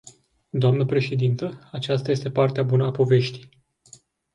Dnă președintă, aceasta este partea bună a poveștii.